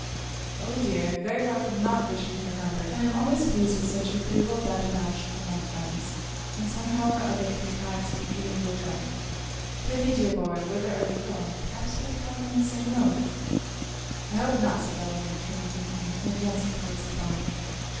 'Oh, dear! very far from not wishing to remember it, I am always pleased with such agreeable badinage from my friends, and some how or other contrive to be even with them. Prithee, dear boy, whither are you going? perhaps we are travelling the same road?' 'I hope not,' said Delamere, turning from him, and advancing towards the bar.